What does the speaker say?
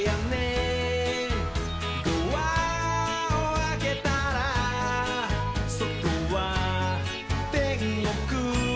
「ドアをあけたらそとはてんごく」